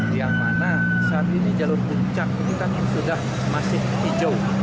yang mana saat ini jalur puncak ini kan sudah masih hijau